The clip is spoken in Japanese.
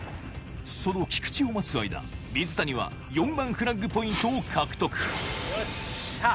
その菊池を待つ間水谷は４番フラッグポイントを獲得よっしゃ